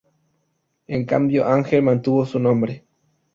En cambio Ángel mantuvo su nombre.